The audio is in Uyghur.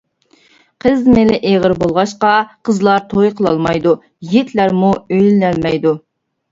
قىز مېلى ئېغىر بولغاچقا، قىزلار توي قىلالمايدۇ، يىگىتلەرمۇ ئۆيلىنەلمەيدۇ.